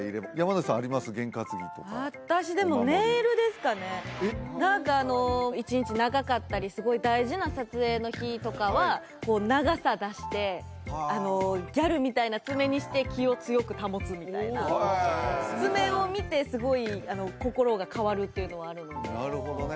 私でも何か一日長かったりすごい大事な撮影の日とかはこう長さ出してギャルみたいな爪にして気を強く保つみたいな爪を見てすごい心が変わるっていうのはあるのでなるほどね